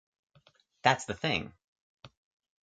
That's the thing.